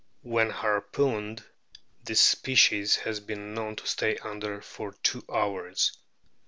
When harpooned this species has been known to stay under for two hours.